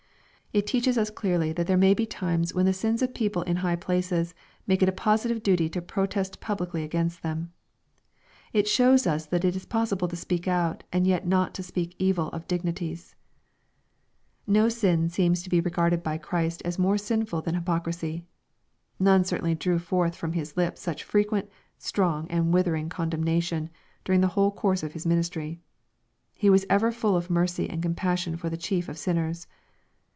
It teaches us clearly that there may be times when the sins of people in high places make it a positive duty to protest publicly against them. It shows us that it is possible to speak out, and yet not to "speak evil of dignities/' No sin seems to be regarded by Christ as more sinful than hypocrisy. None certainly drew forth from His lips such frequent^ strong, and withering condemnation, du ring the whole course of His ministry. He was ever full of m/j' cy and compassion for the chief of sinners.